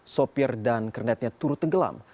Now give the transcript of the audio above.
sopir dan kernetnya turut tenggelam